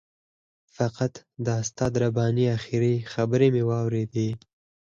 فقط د استاد رباني آخري خبرې مې واورېدې.